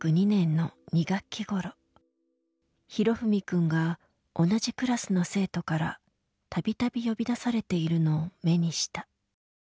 裕史くんが同じクラスの生徒から度々呼び出されているのを目にした。